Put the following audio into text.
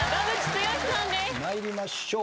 参りましょう。